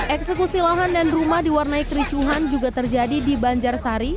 eksekusi lahan dan rumah diwarnai kericuhan juga terjadi di banjarsari